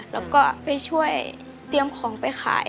แล้วก็ไปช่วยเตรียมของไปขาย